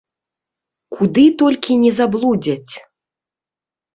Куды толькі не заблудзяць.